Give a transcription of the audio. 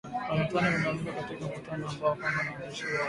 Valentine Rugwabiza katika mkutano wake wa kwanza na waandishi wa habari